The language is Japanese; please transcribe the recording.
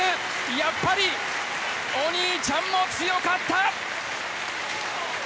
やっぱりお兄ちゃんも強かった！